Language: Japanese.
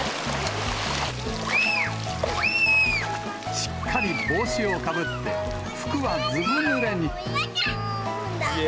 しっかり帽子をかぶって、服はずぶぬれに。